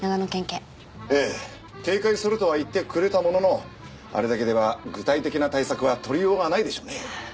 警戒するとは言ってくれたもののあれだけでは具体的な対策は取りようがないでしょうね。